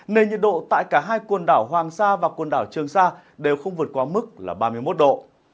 nên nhiệt độ tại cả hai quần đảo hoàng sa và quần đảo trường sa đều không vượt qua mức là ba mươi một độ